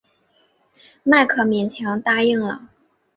迈克勉强答应了。